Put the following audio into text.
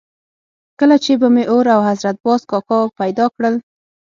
کله چې به مې اور او حضرت باز کاکا پیدا کړل.